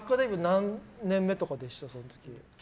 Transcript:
何年目とかでした？